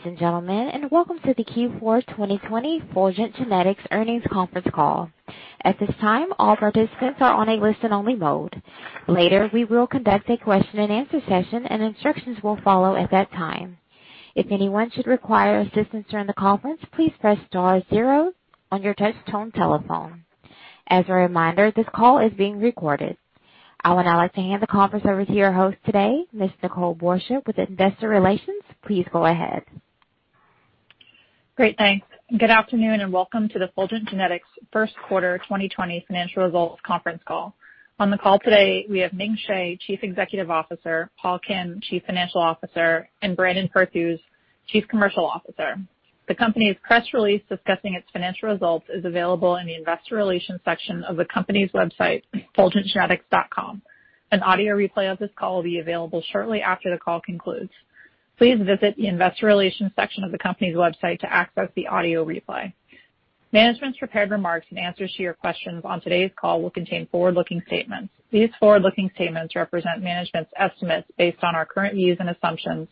Ladies and gentlemen, welcome to the Q1 2020 Fulgent Genetics Earnings Conference Call. At this time, all participants are on a listen-only mode. Later, we will conduct a question and answer session and instructions will follow at that time. If anyone should require assistance during the conference, please press star zero on your touch tone telephone. As a reminder, this call is being recorded. I would now like to hand the conference over to your host today, Ms. Nicole Borsje with Investor Relations. Please go ahead. Great, thanks. Good afternoon and welcome to the Fulgent Genetics first quarter 2020 financial results conference call. On the call today, we have Ming Hsieh, Chief Executive Officer, Paul Kim, Chief Financial Officer, and Brandon Perthuis, Chief Commercial Officer. The company's press release discussing its financial results is available in the investor relations section of the company's website, fulgentgenetics.com. An audio replay of this call will be available shortly after the call concludes. Please visit the investor relations section of the company's website to access the audio replay. Management's prepared remarks and answers to your questions on today's call will contain forward-looking statements. These forward-looking statements represent management's estimates based on our current views and assumptions,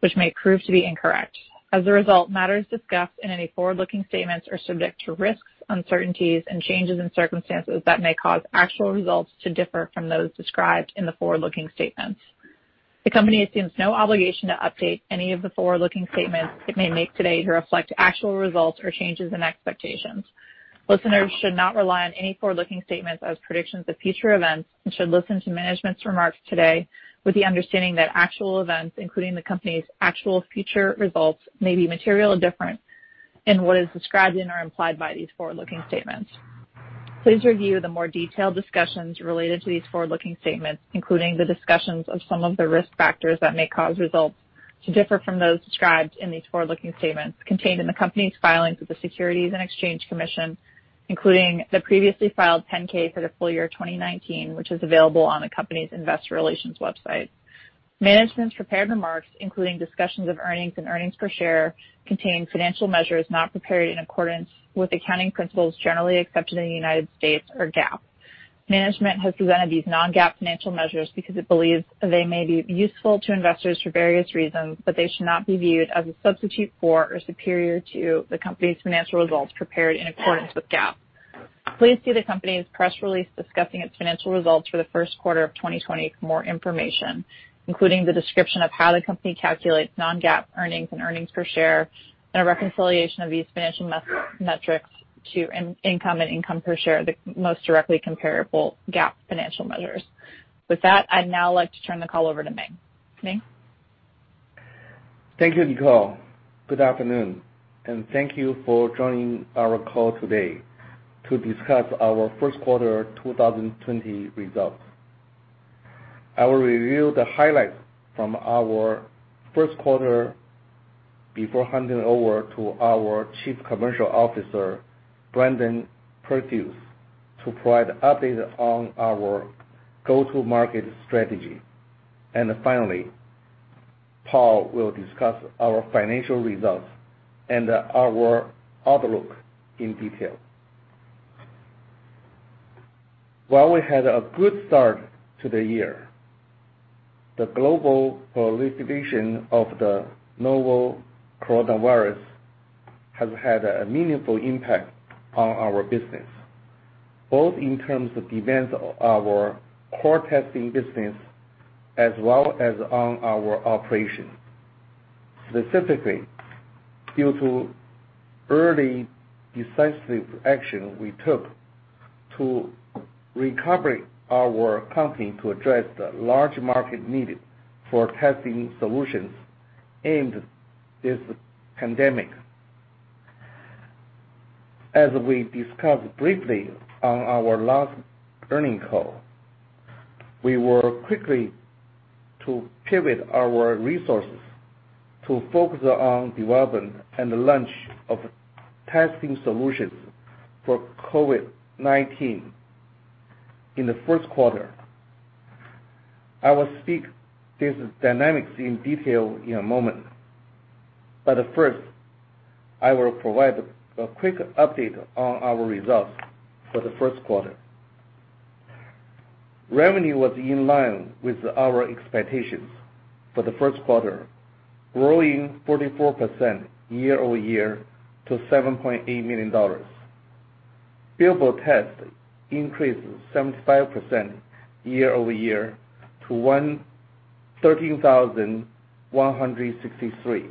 which may prove to be incorrect. Matters discussed in any forward-looking statements are subject to risks, uncertainties and changes in circumstances that may cause actual results to differ from those described in the forward-looking statements. The company assumes no obligation to update any of the forward-looking statements it may make today to reflect actual results or changes in expectations. Listeners should not rely on any forward-looking statements as predictions of future events and should listen to management's remarks today with the understanding that actual events, including the company's actual future results, may be materially different in what is described in or implied by these forward-looking statements. Please review the more detailed discussions related to these forward-looking statements, including the discussions of some of the risk factors that may cause results to differ from those described in these forward-looking statements contained in the company's filings with the Securities and Exchange Commission, including the previously filed 10-K for the full year 2019, which is available on the company's investor relations website. Management's prepared remarks, including discussions of earnings and earnings per share, contain financial measures not prepared in accordance with accounting principles generally accepted in the United States or GAAP. Management has presented these non-GAAP financial measures because it believes they may be useful to investors for various reasons, but they should not be viewed as a substitute for or superior to the company's financial results prepared in accordance with GAAP. Please see the company's press release discussing its financial results for the first quarter of 2020 for more information, including the description of how the company calculates non-GAAP earnings and earnings per share, and a reconciliation of these financial metrics to income and income per share, the most directly comparable GAAP financial measures. With that, I'd now like to turn the call over to Ming. Ming? Thank you, Nicole. Good afternoon, thank you for joining our call today to discuss our first quarter 2020 results. I will review the highlights from our first quarter before handing over to our Chief Commercial Officer, Brandon Perthuis, to provide updates on our go-to-market strategy. Finally, Paul will discuss our financial results and our outlook in detail. While we had a good start to the year, the global proliferation of the novel coronavirus has had a meaningful impact on our business, both in terms of demands of our core testing business as well as on our operations. Specifically, due to early decisive action we took to recover our company to address the large market need for testing solutions amid this pandemic. As we discussed briefly on our last earnings call, we were quickly to pivot our resources to focus on development and the launch of testing solutions for COVID-19 in the first quarter. First, I will provide a quick update on our results for the first quarter. Revenue was in line with our expectations for the first quarter, growing 44% year-over-year to $7.8 million. Billable tests increased 75% year-over-year to 13,163.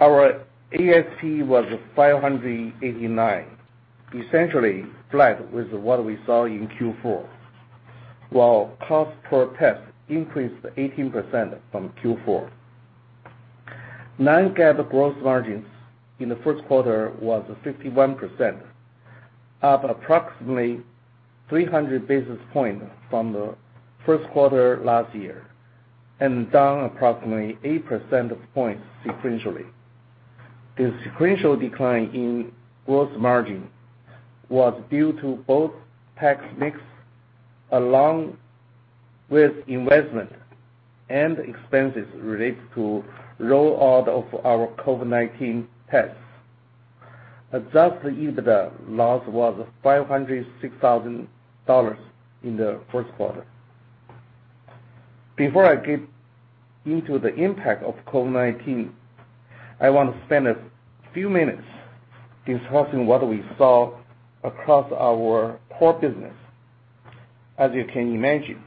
Our ASP was $589, essentially flat with what we saw in Q4. Cost per test increased 18% from Q4. Non-GAAP gross margins in the first quarter was 51%, up approximately 300 basis points from the first quarter last year, down approximately eight percentage points sequentially. The sequential decline in gross margin was due to both tax mix along with investment and expenses related to roll out of our COVID-19 tests. Adjusted EBITDA loss was $506,000 in the first quarter. Before I get into the impact of COVID-19, I want to spend a few minutes discussing what we saw across our core business. You can imagine,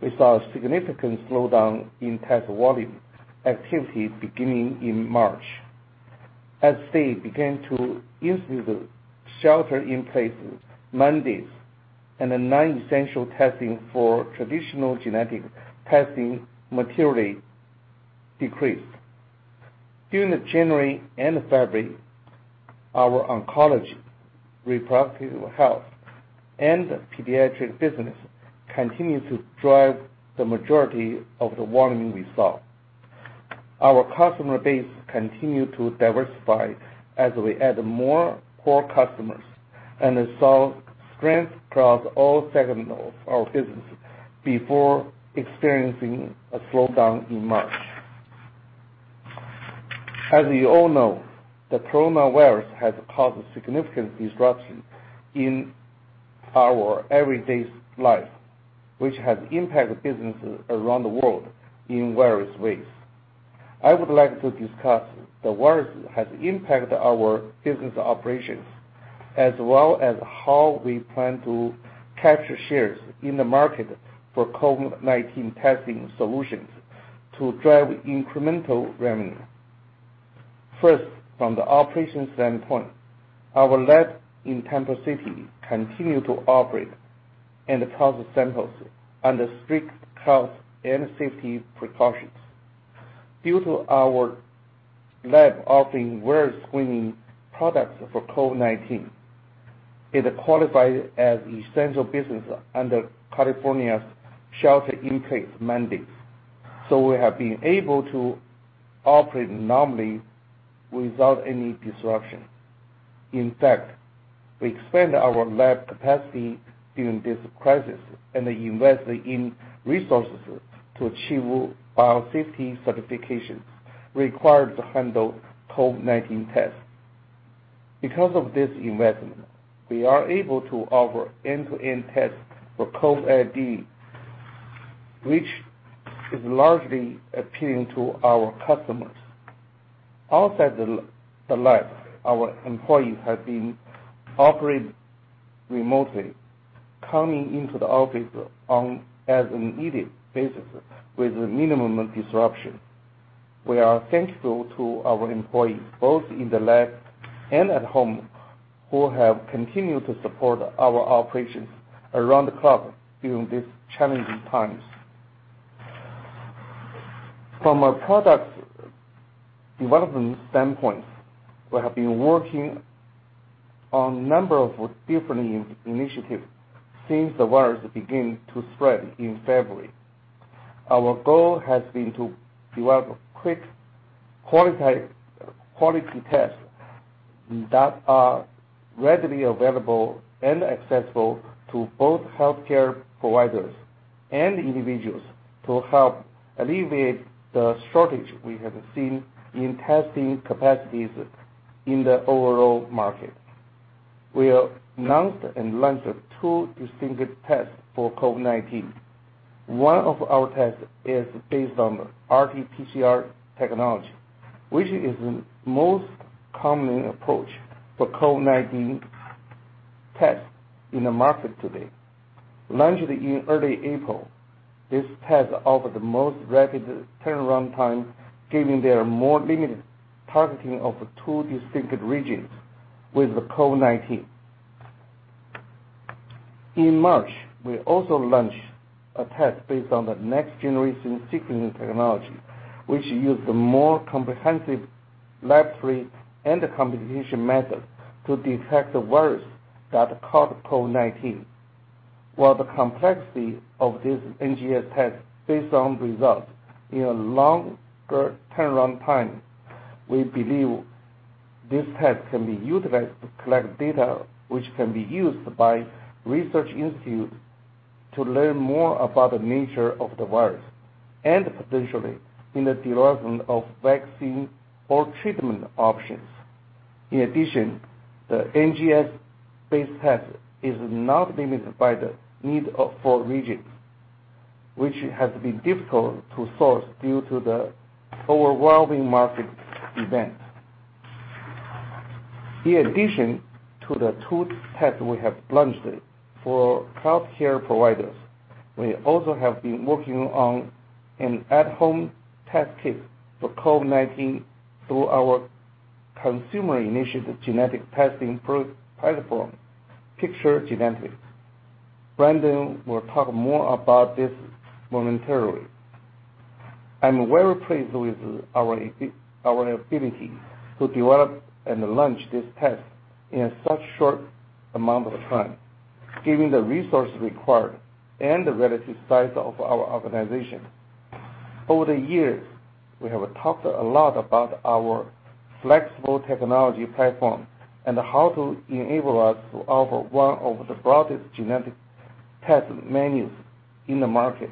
we saw a significant slowdown in test volume activity beginning in March. States began to institute shelter-in-place mandates, the non-essential testing for traditional genetic testing materially decreased. During January and February, our oncology, reproductive health, and pediatric business continued to drive the majority of the earning we saw. Our customer base continued to diversify as we added more core customers and saw strength across all segments of our business before experiencing a slowdown in March. As you all know, the coronavirus has caused significant disruption in our everyday life, which has impacted businesses around the world in various ways. I would like to discuss the virus has impacted our business operations, as well as how we plan to capture shares in the market for COVID-19 testing solutions to drive incremental revenue. First, from the operations standpoint, our lab in Temple City continue to operate and process samples under strict health and safety precautions. Due to our lab offering virus screening products for COVID-19, it qualifies as essential business under California's shelter-in-place mandates, we have been able to operate normally without any disruption. In fact, we expanded our lab capacity during this crisis and invested in resources to achieve biosafety certifications required to handle COVID-19 tests. Because of this investment, we are able to offer end-to-end tests for COVID-19, which is largely appealing to our customers. Outside the lab, our employees have been operating remotely, coming into the office on as an needed basis with minimum disruption. We are thankful to our employees, both in the lab and at home, who have continued to support our operations around the clock during these challenging times. From a product development standpoint, we have been working on a number of different initiatives since the virus began to spread in February. Our goal has been to develop quick, quality tests that are readily available and accessible to both healthcare providers and individuals to help alleviate the shortage we have seen in testing capacities in the overall market. We announced and launched two distinct tests for COVID-19. One of our tests is based on RT-PCR technology, which is the most common approach for COVID-19 tests in the market today. Launched in early April, this test offers the most rapid turnaround time, given their more limited targeting of two distinct regions with the COVID-19. In March, we also launched a test based on the next generation sequencing technology, which used a more comprehensive laboratory and computation method to detect the virus that cause COVID-19. While the complexity of this NGS test based on results in a longer turnaround time, we believe this test can be utilized to collect data which can be used by research institutes to learn more about the nature of the virus, and potentially in the development of vaccine or treatment options. In addition, the NGS base test is not limited by the need for reagents, which has been difficult to source due to the overwhelming market demand. In addition to the two tests we have launched for healthcare providers, we also have been working on an at-home test kit for COVID-19 through our consumer initiative genetic testing platform, Picture Genetics. Brandon will talk more about this momentarily. I am very pleased with our ability to develop and launch this test in such a short amount of time, given the resources required and the relative size of our organization. Over the years, we have talked a lot about our flexible technology platform and how to enable us to offer one of the broadest genetic test menus in the market.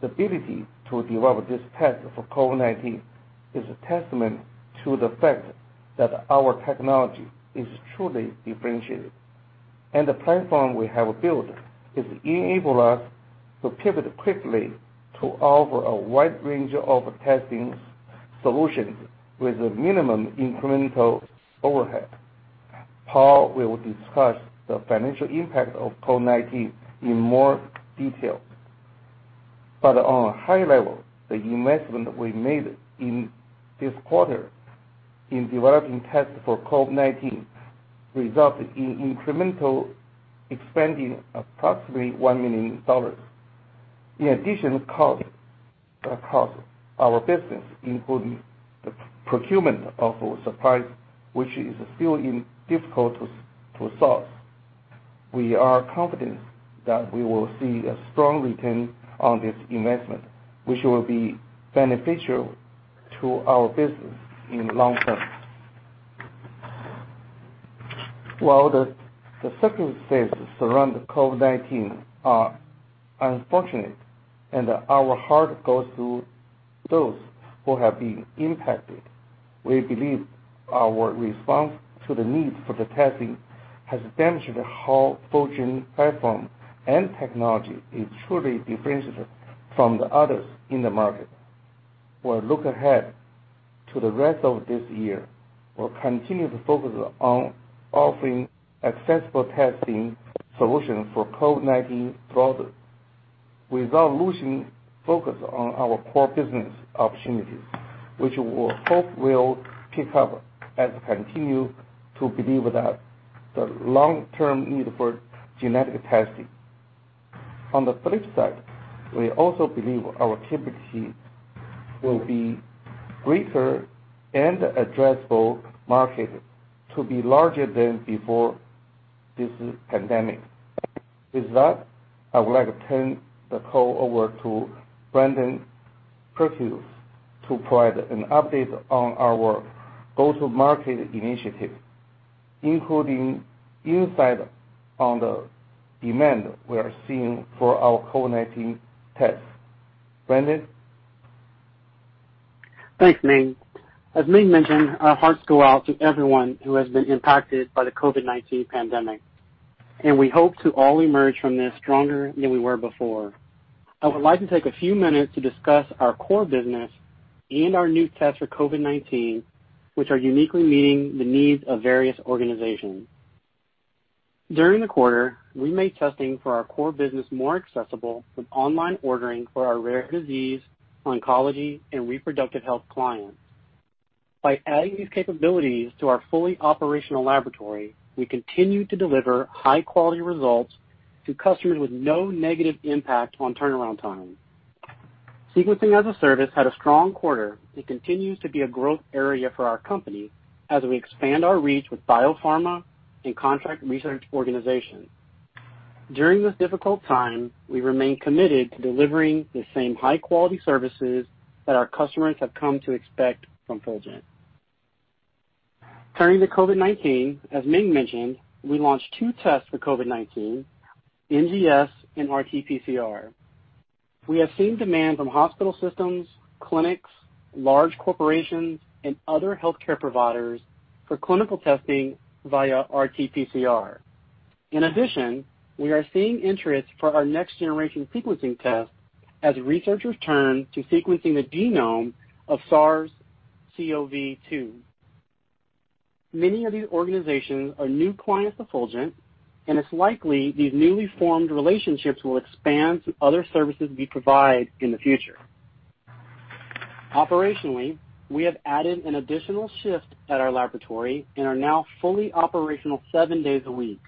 Our ability to develop this test for COVID-19 is a testament to the fact that our technology is truly differentiated, and the platform we have built has enabled us to pivot quickly to offer a wide range of testing solutions with a minimum incremental overhead. Paul will discuss the financial impact of COVID-19 in more detail. On a high level, the investment we made in this quarter in developing tests for COVID-19 resulted in incremental spending of approximately $1 million. In addition, it cost our business, including the procurement of supplies, which is still difficult to source. We are confident that we will see a strong return on this investment, which will be beneficial to our business in the long term. While the circumstances around COVID-19 are unfortunate, and our heart goes to those who have been impacted, we believe our response to the need for the testing has demonstrated how Fulgent platform and technology is truly differentiated from the others in the market. We'll look ahead to the rest of this year. We'll continue to focus on offering accessible testing solutions for COVID-19 products without losing focus on our core business opportunities, which we hope will pick up as we continue to believe that the long-term need for genetic testing. On the flip side, we also believe our capacity will be greater and addressable market to be larger than before this pandemic. With that, I would like to turn the call over to Brandon Perthuis to provide an update on our go-to-market initiative, including insight on the demand we are seeing for our COVID-19 test. Brandon? Thanks, Ming. As Ming mentioned, our hearts go out to everyone who has been impacted by the COVID-19 pandemic, and we hope to all emerge from this stronger than we were before. I would like to take a few minutes to discuss our core business and our new test for COVID-19, which are uniquely meeting the needs of various organizations. During the quarter, we made testing for our core business more accessible with online ordering for our rare disease, oncology, and reproductive health clients. By adding these capabilities to our fully operational laboratory, we continue to deliver high-quality results to customers with no negative impact on turnaround time. sequencing as a service had a strong quarter and continues to be a growth area for our company as we expand our reach with biopharma and contract research organizations. During this difficult time, we remain committed to delivering the same high-quality services that our customers have come to expect from Fulgent. Turning to COVID-19, as Ming mentioned, we launched two tests for COVID-19, NGS and RT-PCR. We have seen demand from hospital systems, clinics, large corporations, and other healthcare providers for clinical testing via RT-PCR. In addition, we are seeing interest for our next generation sequencing test as researchers turn to sequencing the genome of SARS-CoV-2. Many of these organizations are new clients to Fulgent, and it's likely these newly formed relationships will expand to other services we provide in the future. Operationally, we have added an additional shift at our laboratory and are now fully operational seven days a week.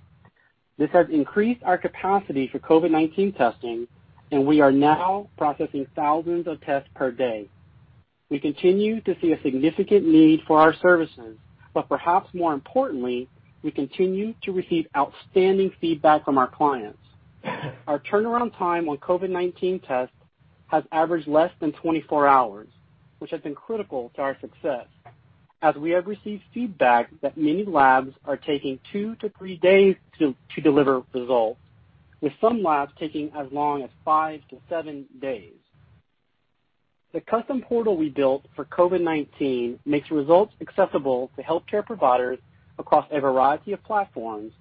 This has increased our capacity for COVID-19 testing, and we are now processing thousands of tests per day. We continue to see a significant need for our services, but perhaps more importantly, we continue to receive outstanding feedback from our clients. Our turnaround time on COVID-19 tests has averaged less than 24 hours, which has been critical to our success, as we have received feedback that many labs are taking two to three days to deliver results, with some labs taking as long as five to seven days. The custom portal we built for COVID-19 makes results accessible to healthcare providers across a variety of platforms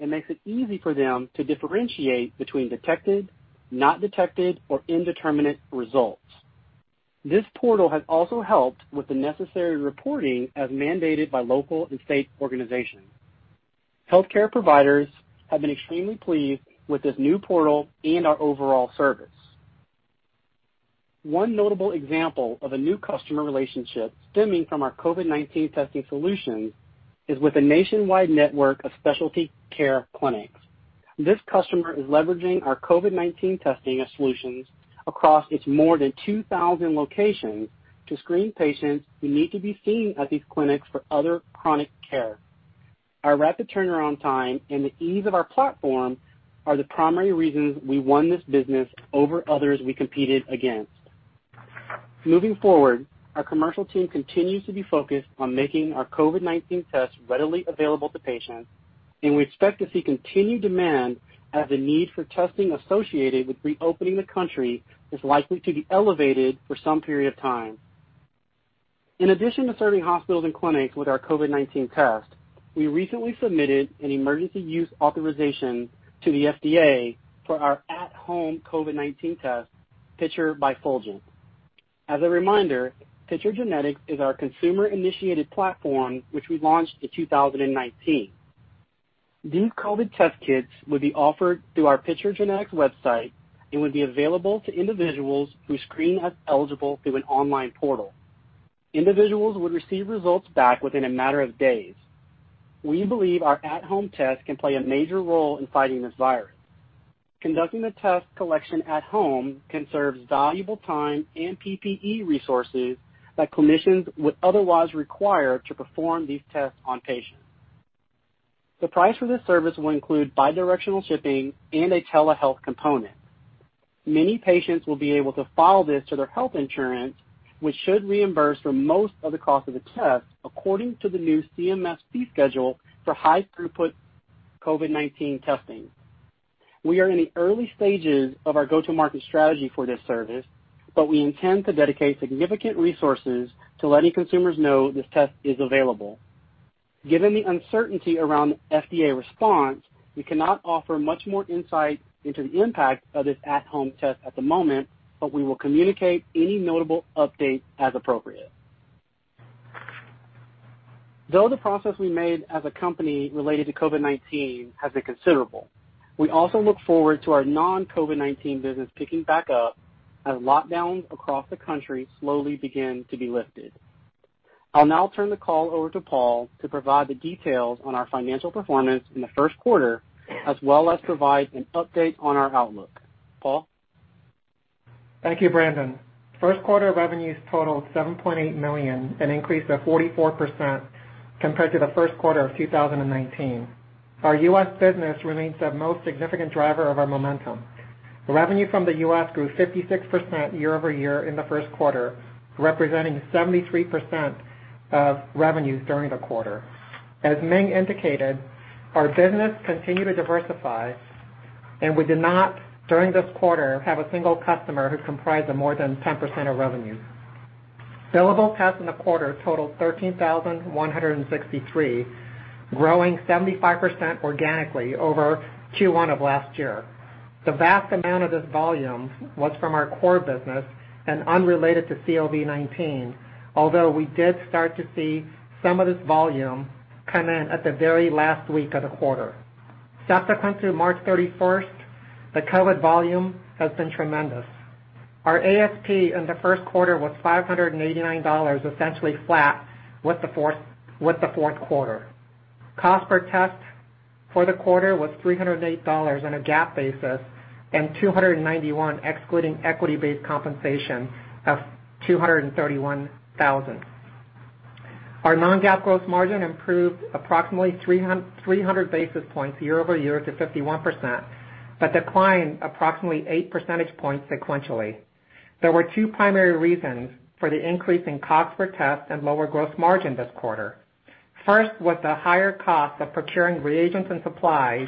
and makes it easy for them to differentiate between detected, not detected, or indeterminate results. This portal has also helped with the necessary reporting as mandated by local and state organizations. Healthcare providers have been extremely pleased with this new portal and our overall service. One notable example of a new customer relationship stemming from our COVID-19 testing solutions is with a nationwide network of specialty care clinics. This customer is leveraging our COVID-19 testing solutions across its more than 2,000 locations to screen patients who need to be seen at these clinics for other chronic care. Our rapid turnaround time and the ease of our platform are the primary reasons we won this business over others we competed against. Moving forward, our commercial team continues to be focused on making our COVID-19 test readily available to patients, and we expect to see continued demand as the need for testing associated with reopening the country is likely to be elevated for some period of time. In addition to serving hospitals and clinics with our COVID-19 test, we recently submitted an emergency use authorization to the FDA for our at-home COVID-19 test, Picture by Fulgent. As a reminder, Picture Genetics is our consumer-initiated platform which we launched in 2019. These COVID-19 test kits would be offered through our Picture Genetics website and would be available to individuals who screen as eligible through an online portal. Individuals would receive results back within a matter of days. We believe our at-home test can play a major role in fighting this virus. Conducting the test collection at home conserves valuable time and PPE resources that clinicians would otherwise require to perform these tests on patients. The price for this service will include bi-directional shipping and a telehealth component. Many patients will be able to file this to their health insurance, which should reimburse for most of the cost of the test, according to the new CMS fee schedule for high throughput COVID-19 testing. We are in the early stages of our go-to-market strategy for this service, but we intend to dedicate significant resources to letting consumers know this test is available. Given the uncertainty around FDA response, we cannot offer much more insight into the impact of this at-home test at the moment, but we will communicate any notable update as appropriate. Though the progress we made as a company related to COVID-19 has been considerable, we also look forward to our non-COVID-19 business picking back up as lockdowns across the country slowly begin to be lifted. I'll now turn the call over to Paul to provide the details on our financial performance in the first quarter, as well as provide an update on our outlook. Paul? Thank you, Brandon. First quarter revenues totaled $7.8 million, an increase of 44% compared to the first quarter of 2019. Our U.S. business remains the most significant driver of our momentum. Revenue from the U.S. grew 56% year-over-year in the first quarter, representing 73% of revenues during the quarter. As Ming indicated, our business continued to diversify. We did not, during this quarter, have a single customer who comprised more than 10% of revenue. Billable tests in the quarter totaled 13,163, growing 75% organically over Q1 of last year. The vast amount of this volume was from our core business and unrelated to COVID-19, although we did start to see some of this volume come in at the very last week of the quarter. Subsequent to March 31st, the COVID volume has been tremendous. Our ASP in the first quarter was $589, essentially flat with the fourth quarter. Cost per test for the quarter was $308 on a GAAP basis and $291 excluding equity-based compensation of $231,000. Our non-GAAP gross margin improved approximately 300 basis points year-over-year to 51%, but declined approximately eight percentage points sequentially. There were two primary reasons for the increase in cost per test and lower gross margin this quarter. First was the higher cost of procuring reagents and supplies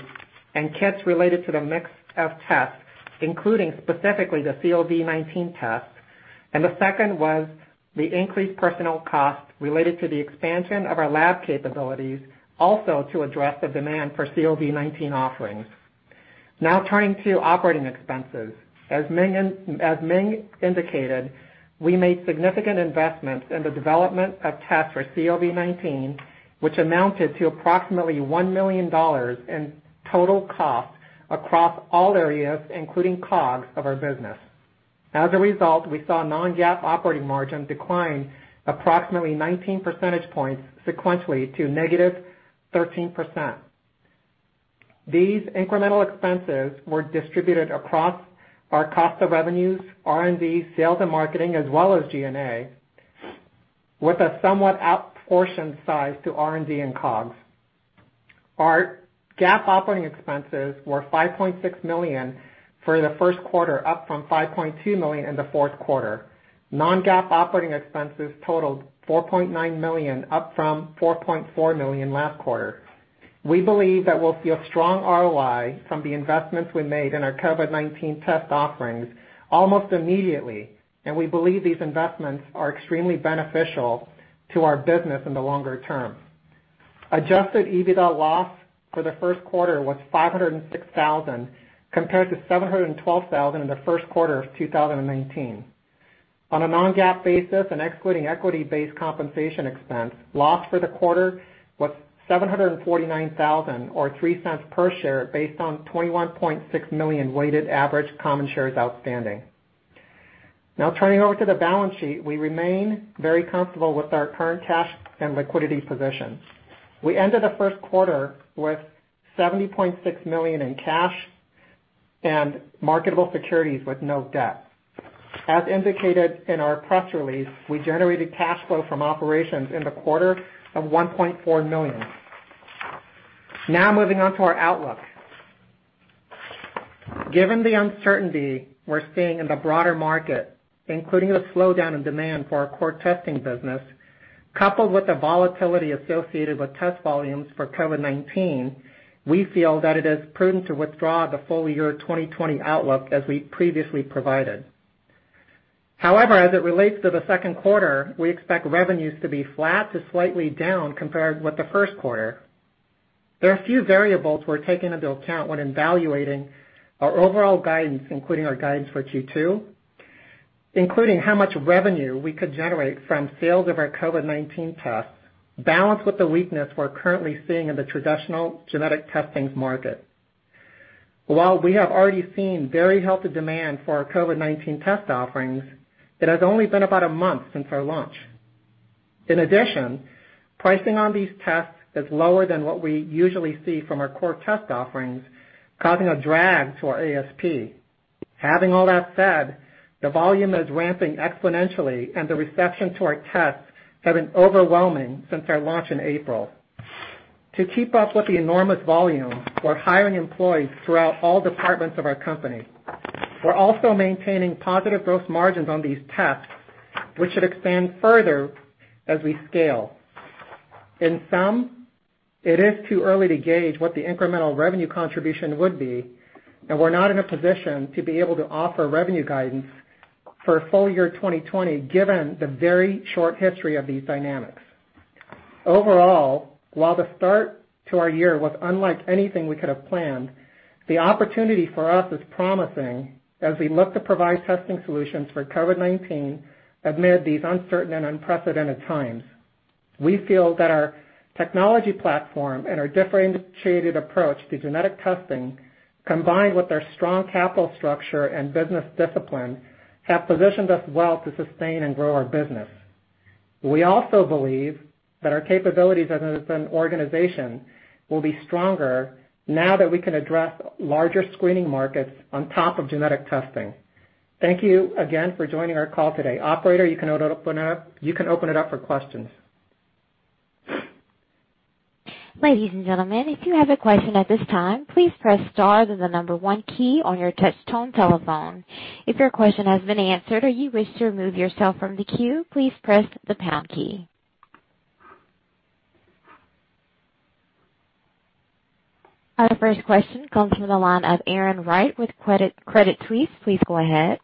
and kits related to the mix of tests, including specifically the COVID-19 test. The second was the increased personnel costs related to the expansion of our lab capabilities, also to address the demand for COVID-19 offerings. Now turning to operating expenses. As Ming indicated, we made significant investments in the development of tests for COVID-19, which amounted to approximately $1 million in total costs across all areas, including COGS of our business. We saw non-GAAP operating margin decline approximately 19 percentage points sequentially to negative 13%. These incremental expenses were distributed across our cost of revenues, R&D, sales and marketing, as well as G&A, with a somewhat outportioned size to R&D and COGS. Our GAAP operating expenses were $5.6 million for the first quarter, up from $5.2 million in the fourth quarter. Non-GAAP operating expenses totaled $4.9 million, up from $4.4 million last quarter. We believe that we'll see a strong ROI from the investments we made in our COVID-19 test offerings almost immediately. We believe these investments are extremely beneficial to our business in the longer term. Adjusted EBITDA loss for the first quarter was $506,000, compared to $712,000 in the first quarter of 2019. On a non-GAAP basis and excluding equity-based compensation expense, loss for the quarter was $749,000, or $0.03 per share, based on 21.6 million weighted average common shares outstanding. Turning over to the balance sheet, we remain very comfortable with our current cash and liquidity position. We ended the first quarter with $70.6 million in cash and marketable securities with no debt. As indicated in our press release, we generated cash flow from operations in the quarter of $1.4 million. Moving on to our outlook. Given the uncertainty we're seeing in the broader market, including the slowdown in demand for our core testing business, coupled with the volatility associated with test volumes for COVID-19, we feel that it is prudent to withdraw the full year 2020 outlook as we previously provided. However, as it relates to the second quarter, we expect revenues to be flat to slightly down compared with the first quarter. There are a few variables we're taking into account when evaluating our overall guidance, including our guidance for Q2, including how much revenue we could generate from sales of our COVID-19 tests, balanced with the weakness we're currently seeing in the traditional genetic testings market. While we have already seen very healthy demand for our COVID-19 test offerings, it has only been about a month since our launch. In addition, pricing on these tests is lower than what we usually see from our core test offerings, causing a drag to our ASP. Having all that said, the volume is ramping exponentially and the reception to our tests have been overwhelming since our launch in April. To keep up with the enormous volume, we're hiring employees throughout all departments of our company. We're also maintaining positive growth margins on these tests, which should expand further as we scale. It is too early to gauge what the incremental revenue contribution would be, and we're not in a position to be able to offer revenue guidance for full year 2020, given the very short history of these dynamics. While the start to our year was unlike anything we could have planned, the opportunity for us is promising as we look to provide testing solutions for COVID-19 amid these uncertain and unprecedented times. We feel that our technology platform and our differentiated approach to genetic testing, combined with our strong capital structure and business discipline, have positioned us well to sustain and grow our business. We also believe that our capabilities as an organization will be stronger now that we can address larger screening markets on top of genetic testing. Thank you again for joining our call today. Operator, you can open it up for questions. Ladies and gentlemen, if you have a question at this time, please press star, then the number one key on your touch tone telephone. If your question has been answered or you wish to remove yourself from the queue, please press the pound key. Our first question comes from the line of Erin Wright with Credit Suisse. Please go ahead.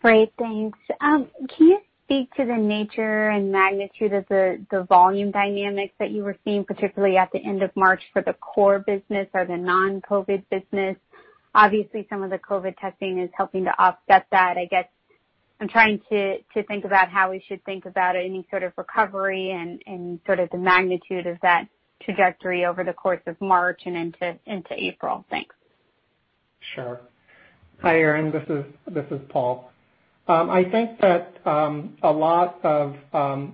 Great, thanks. Can you speak to the nature and magnitude of the volume dynamics that you were seeing, particularly at the end of March for the core business or the non-COVID-19 business? Obviously, some of the COVID-19 testing is helping to offset that. I guess, I'm trying to think about how we should think about any sort of recovery and sort of the magnitude of that trajectory over the course of March and into April. Thanks. Sure. Hi, Erin. This is Paul. I think that a lot of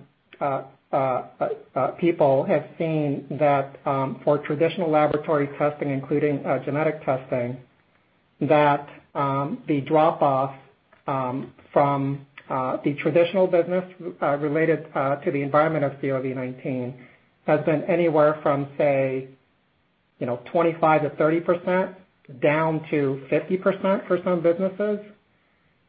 people have seen that for traditional laboratory testing, including genetic testing, that the drop off from the traditional business related to the environment of COVID-19 has been anywhere from, say, 25% to 30% down to 50% for some businesses.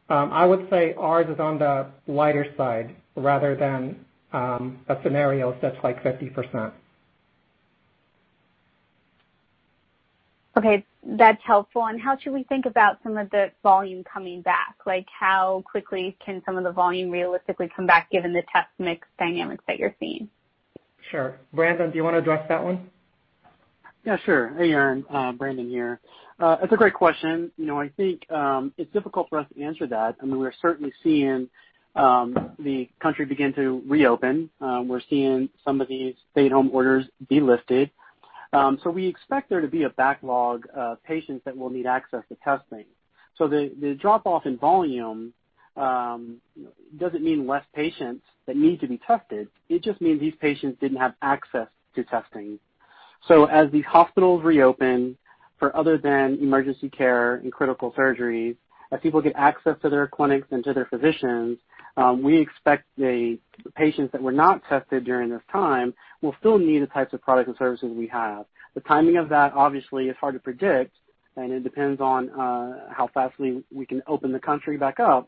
I would say ours is on the lighter side rather than a scenario such like 50%. Okay. That's helpful. How should we think about some of the volume coming back? Like how quickly can some of the volume realistically come back given the test mix dynamics that you're seeing? Sure. Brandon, do you want to address that one? Yeah, sure. Hey, Erin. Brandon here. It's a great question. I think it's difficult for us to answer that. I mean, we're certainly seeing the country begin to reopen. We're seeing some of these stay-at-home orders be lifted. We expect there to be a backlog of patients that will need access to testing. The drop off in volume doesn't mean less patients that need to be tested. It just means these patients didn't have access to testing. As these hospitals reopen for other than emergency care and critical surgeries, as people get access to their clinics and to their physicians, we expect the patients that were not tested during this time will still need the types of products and services we have. The timing of that obviously is hard to predict, and it depends on how fast we can open the country back up.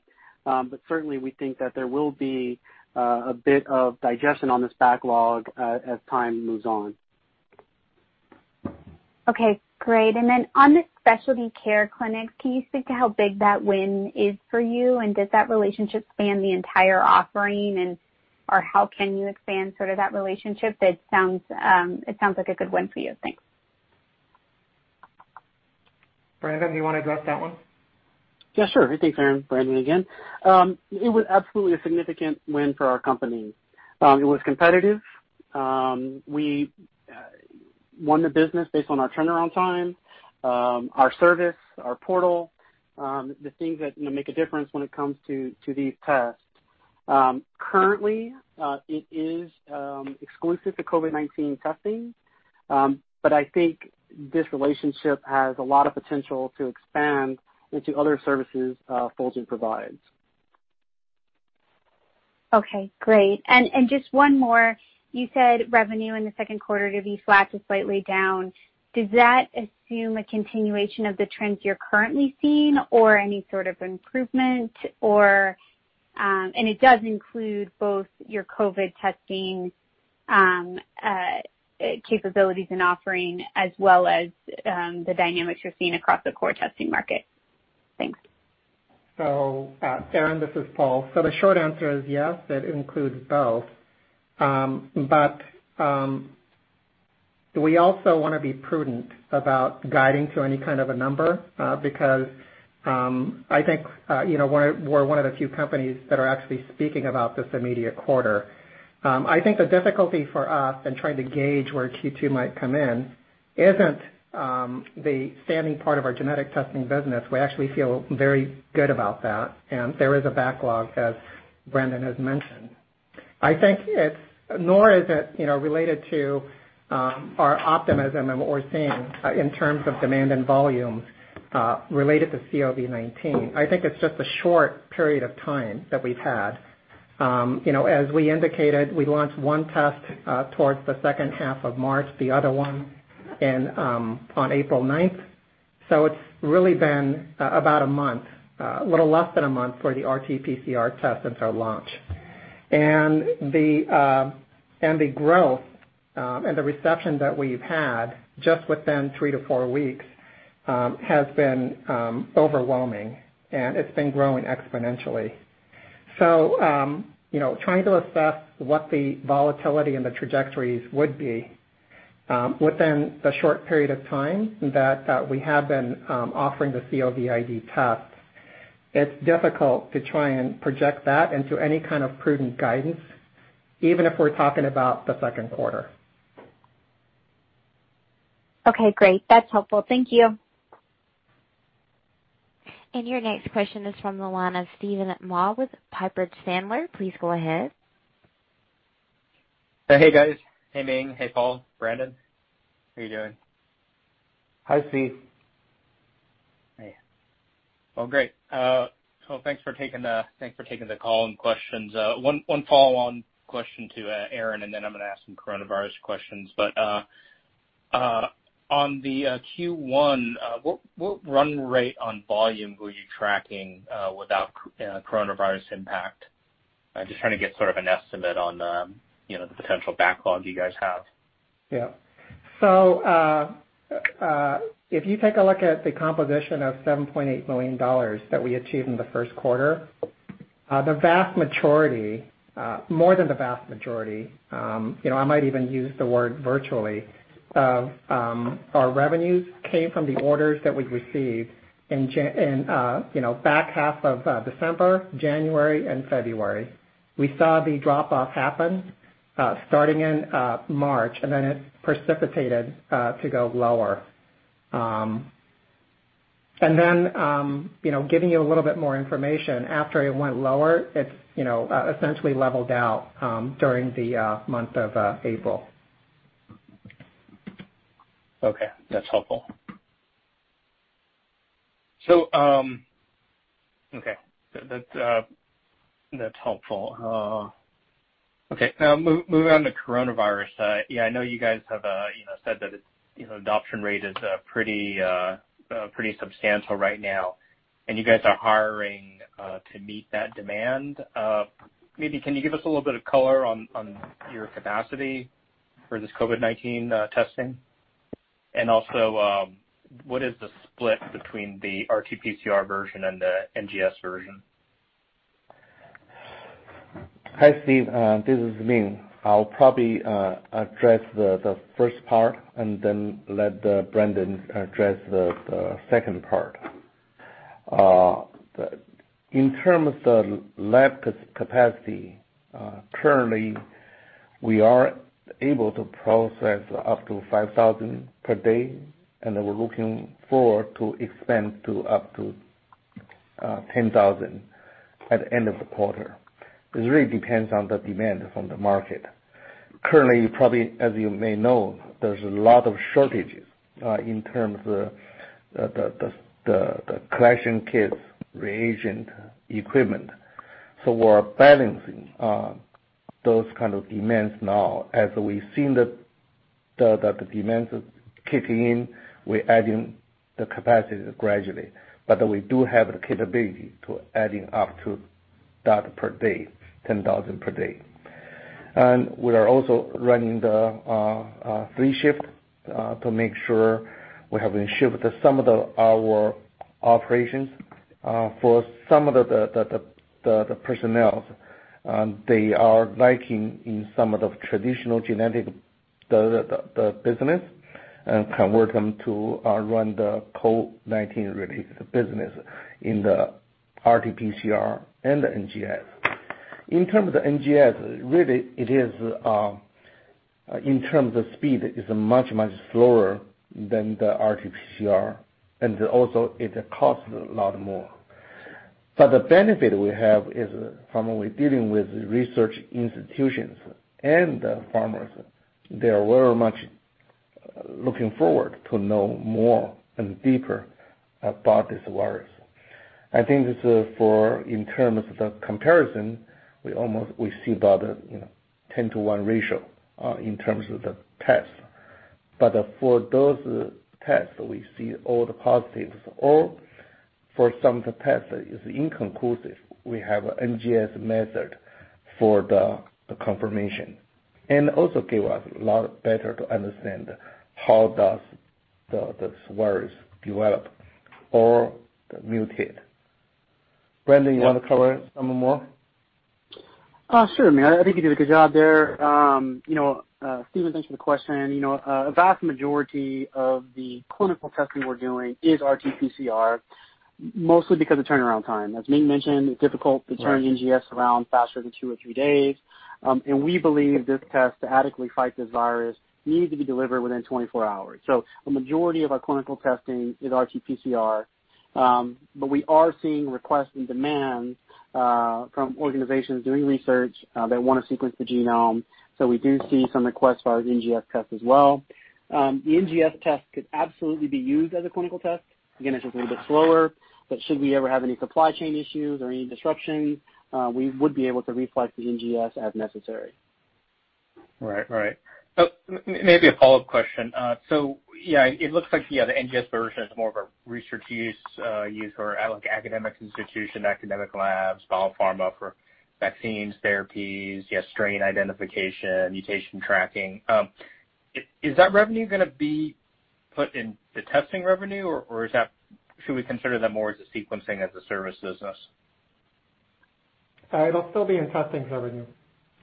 Certainly, we think that there will be a bit of digestion on this backlog as time moves on. Okay, great. Then on the specialty care clinic, can you speak to how big that win is for you? Does that relationship span the entire offering? Or how can you expand sort of that relationship? It sounds like a good win for you. Thanks. Brandon, do you want to address that one? Yeah, sure. Thanks, Erin. Brandon again. It was absolutely a significant win for our company. It was competitive. We won the business based on our turnaround time, our service, our portal, the things that make a difference when it comes to these tests. Currently, it is exclusive to COVID-19 testing, but I think this relationship has a lot of potential to expand into other services Fulgent provides. Okay, great. Just one more. You said revenue in the second quarter to be flat to slightly down. Does that assume a continuation of the trends you're currently seeing or any sort of improvement? It does include both your COVID-19 testing capabilities and offering as well as the dynamics you're seeing across the core testing market. Thanks. Erin, this is Paul. We also want to be prudent about guiding to any kind of a number, because, I think, we're one of the few companies that are actually speaking about this immediate quarter. I think the difficulty for us in trying to gauge where Q2 might come in isn't the standing part of our genetic testing business. We actually feel very good about that, and there is a backlog, as Brandon has mentioned. Nor is it related to our optimism and what we're seeing in terms of demand and volumes, related to COVID-19. I think it's just a short period of time that we've had. As we indicated, we launched one test towards the second half of March, the other one on April 9th. It's really been about a month, a little less than a month for the RT-PCR test since our launch. The growth, and the reception that we've had just within three to four weeks, has been overwhelming and it's been growing exponentially. Trying to assess what the volatility and the trajectories would be, within the short period of time that we have been offering the COVID test, it's difficult to try and project that into any kind of prudent guidance, even if we're talking about the second quarter. Okay, great. That's helpful. Thank you. Your next question is from the line of Steven Mah with Piper Sandler. Please go ahead. Hey, guys. Hey, Ming. Hey, Paul, Brandon. How are you doing? Hi, Steve. Hey. Well, great. Thanks for taking the call and questions. One follow-on question to Erin, and then I'm going to ask some coronavirus questions. On the Q1, what run rate on volume were you tracking, without coronavirus impact? Just trying to get sort of an estimate on the potential backlog you guys have. Yeah. If you take a look at the composition of $7.8 million that we achieved in the first quarter, the vast majority, more than the vast majority, I might even use the word virtually, of our revenues came from the orders that we received in back half of December, January and February. We saw the drop-off happen, starting in March, and then it precipitated to go lower. Giving you a little bit more information, after it went lower, it essentially leveled out during the month of April. Okay. That's helpful. Moving on to coronavirus. I know you guys have said that its adoption rate is pretty substantial right now, and you guys are hiring to meet that demand. Maybe can you give us a little bit of color on your capacity for this COVID-19 testing? What is the split between the RT-PCR version and the NGS version? Hi, Steve. This is Ming. I'll probably address the first part then let Brandon address the second part. In terms of the lab capacity, currently we are able to process up to 5,000 per day, and we're looking forward to expand to up to 10,000 at the end of the quarter. It really depends on the demand from the market. Currently, probably as you may know, there's a lot of shortages, in terms of the collection kits, reagent equipment. We're balancing those kind of demands now. As we've seen the demands kicking in, we're adding the capacity gradually. We do have the capability to adding up to that per day, 10,000 per day. We are also running the three shifts, to make sure we have been shifted some of our operations, for some of the personnel. They are lacking in some of the traditional genetic business and convert them to run the COVID-19 related business in the RT-PCR and the NGS. In terms of NGS, really it is, in terms of speed, is much slower than the RT-PCR, also it costs a lot more. The benefit we have is from we're dealing with research institutions and the pharmas, they are very much looking forward to know more and deeper about this virus. I think this for in terms of the comparison, we see about a 10 to one ratio in terms of the test. For those tests, we see all the positives, or for some of the tests is inconclusive, we have NGS method for the confirmation. Also give us a lot better to understand how does this virus develop or mutate. Brandon, you want to cover some more? Sure, Ming. I think you did a good job there. Steven, thanks for the question. A vast majority of the clinical testing we're doing is RT-PCR, mostly because of turnaround time. As Ming mentioned, it's difficult to turn- Right NGS around faster than two or three days. We believe this test to adequately fight this virus needs to be delivered within 24 hours. The majority of our clinical testing is RT-PCR, but we are seeing requests and demands from organizations doing research that want to sequence the genome. We do see some requests for our NGS test as well. The NGS test could absolutely be used as a clinical test. Again, it's just a little bit slower, should we ever have any supply chain issues or any disruption, we would be able to reflex the NGS as necessary. Right. Maybe a follow-up question. Yeah, it looks like the NGS version is more of a research use used for academic institution, academic labs, biopharma for vaccines, therapies, strain identification, mutation tracking. Is that revenue going to be put in the testing revenue, or should we consider that more as a sequencing as a service business? It'll still be in testing revenue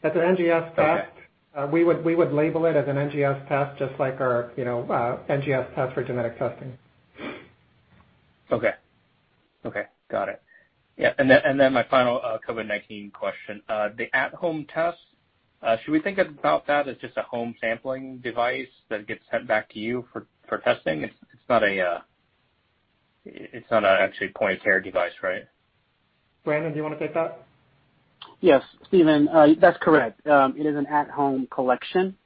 as an NGS test. Okay we would label it as an NGS test, just like our NGS test for genetic testing. Okay. Got it. Yeah, my final COVID-19 question. The at-home test, should we think about that as just a home sampling device that gets sent back to you for testing? It's not an actually point-of-care device, right? Brandon, do you want to take that? Yes, Stephen, that's correct. It is an at-home collection.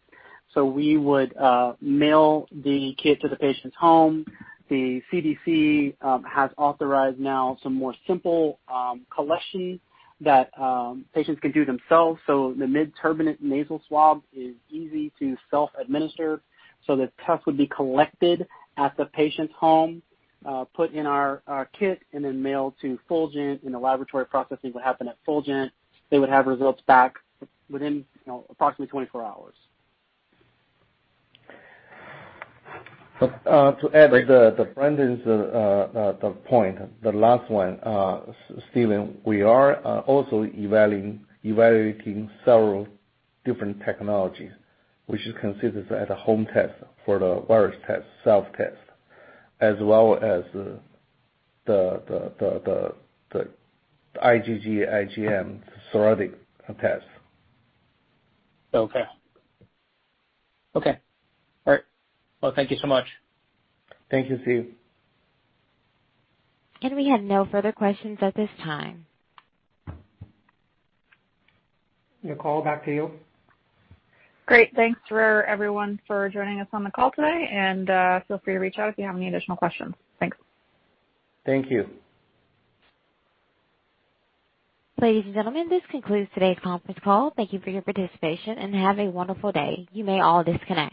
We would mail the kit to the patient's home. The CDC has authorized now some more simple collection that patients can do themselves. The mid-turbinate nasal swab is easy to self-administer, so the test would be collected at the patient's home, put in our kit, and then mailed to Fulgent, and the laboratory processing would happen at Fulgent. They would have results back within approximately 24 hours. To add to Brandon's point, the last one, Steven, we are also evaluating several different technologies, which is considered as at-home test for the virus test, self-test, as well as the IgG, IgM serologic test. Okay. All right. Thank you so much. Thank you, Steve. We have no further questions at this time. Nicole, back to you. Great. Thanks everyone for joining us on the call today, and feel free to reach out if you have any additional questions. Thanks. Thank you. Ladies and gentlemen, this concludes today's conference call. Thank you for your participation, and have a wonderful day. You may all disconnect.